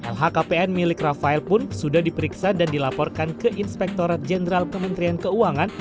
lhkpn milik rafael pun sudah diperiksa dan dilaporkan ke inspektorat jenderal kementerian keuangan